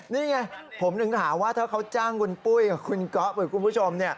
นี่ไงผมถึงหาว่าถ้าเขาจ้างคุณปุ้ยคุณก๊อบคุณผู้ชม